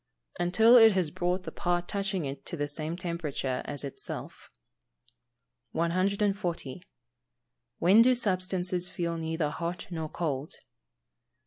_ Until it has brought the part touching it to the same temperature as itself. 140. _When do substances feel neither hot nor cold?